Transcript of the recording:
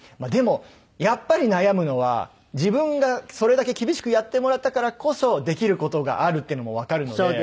でもやっぱり悩むのは自分がそれだけ厳しくやってもらったからこそできる事があるっていうのもわかるので。